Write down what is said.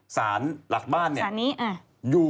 สารหลักบ้านเนี่ย